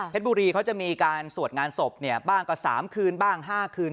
บุรีเขาจะมีการสวดงานศพบ้างก็๓คืนบ้าง๕คืน